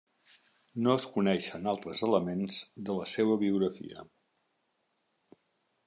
No es coneixen altres elements de la seva biografia.